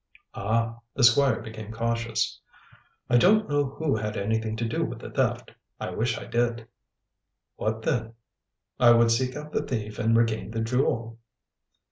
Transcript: "Ah!" the Squire became cautious. "I don't know who had anything to do with the theft. I wish I did." "What then?" "I would seek out the thief and regain the jewel."